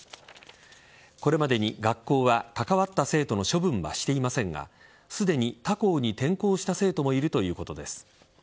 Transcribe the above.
これまでに学校は関わった生徒の処分はしていませんがすでに他校に転校した生徒もいるということです。